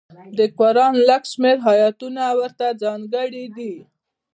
د قران لږ شمېر ایتونه ورته ځانګړي دي.